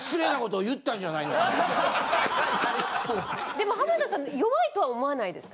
でも浜田さんって弱いとは思わないですか。